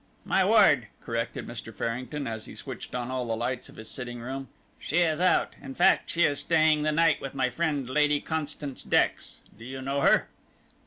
"My ward," corrected Mr. Farrington, as he switched on all the lights of his sitting room, "she is out in fact she is staying the night with my friend Lady Constance Dex do you know her?"